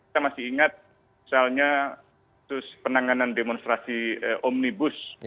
kita masih ingat misalnya penanganan demonstrasi omnibus